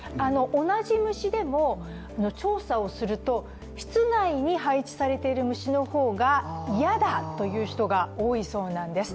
同じ虫でも調査をすると、室内に配置されている虫の方が嫌だという人が多いそうなんです。